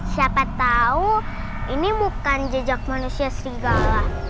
siapa tahu ini bukan jejak manusia serigala